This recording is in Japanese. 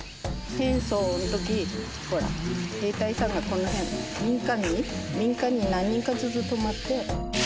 戦争の時ほら兵隊さんがこの辺民間に民間に何人かずつ泊まって。